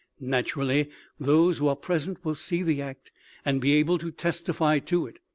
Naturally, those who are present will see the act and be able to testify to it.